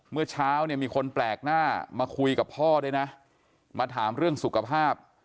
เมื่อเช้าเนี่ยมีคนแปลกหน้ามาคุยกับพ่อด้วยนะมาถามเรื่องสุขภาพ